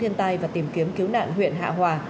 nạn huyện hạ hòa